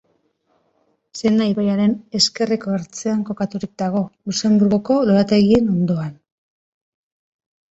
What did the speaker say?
Sena ibaiaren ezkerreko ertzean kokaturik dago, Luxenburgoko lorategien ondoan.